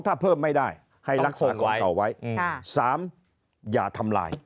ถ้าเพิ่มไม่ได้ให้รักษาก่อนเก่าไว้๓อย่าทำลาย